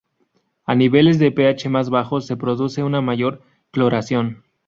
A niveles de pH más bajos, se produce una mayor cloración.